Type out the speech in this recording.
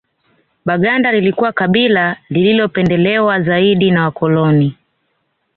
Baganda lilikuwa kabila lililopendelewa zaidi na Wakoloni